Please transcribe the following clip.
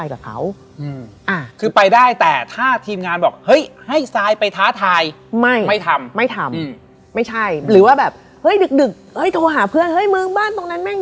ย่ามาช่วยเลือก